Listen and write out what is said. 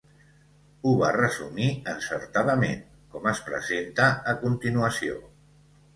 Ho va resumir encertadament com es presenta a continuació: